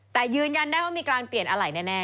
แต่ยืนยันได้ว่ามีการเปลี่ยนอะไรแน่